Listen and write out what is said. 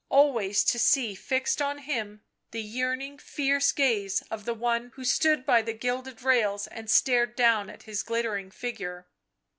Always to see fixed on him the yearning, fierce gaze of the one who stood by the gilded rails and stared down at his glittering figure.